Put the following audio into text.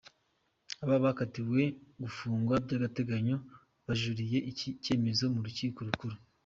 Aba bakatiwe gufungwa by’agateganyo bajuririye iki cymezo mu Rukiko Rukuru.